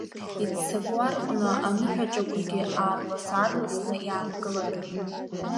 Иццакуа рҟны аныҳәаҿақәагьы аарлас-аарласны иаанкылатәын.